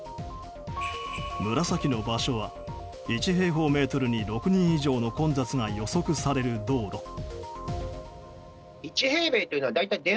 紫の場所は、１平方メートルに６人以上の混雑が予測される道路。